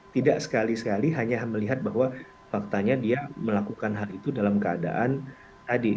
tidak sekali sekali hanya melihat bahwa faktanya dia melakukan hal itu dalam keadaan tadi